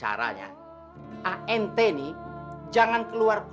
ubay yang bisa mencari